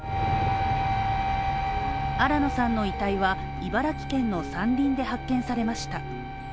新野さんの遺体は、茨城県の山林で発見されました。